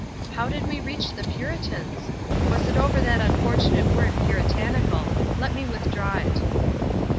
How did we reach the Puritans? Was it over that unfor ON THE TRAIL 147 tunate word, 'Puritanical.' Let me with draw it."